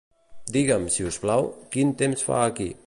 Digue'm, si us plau, quin temps fa aquí.